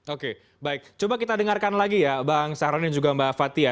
oke baik coba kita dengarkan lagi ya bang sahroni dan juga mbak fathia